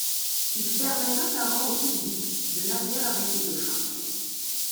Il permet notamment au public de nager avec les dauphins.